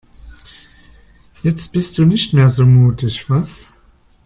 Jetzt bist du nicht mehr so mutig, was?